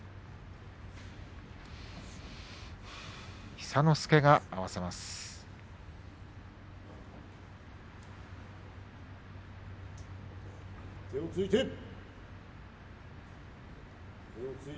寿之介が合わせます。